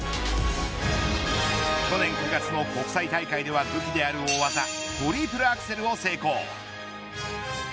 去年９月の国際大会では武器である大技トリプルアクセルを成功。